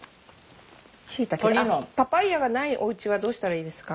あパパイヤがないおうちはどうしたらいいですか？